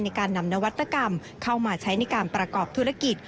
ในการนำนวัตกรรมเข้ามาใช้ในการประกอบธุรกิจ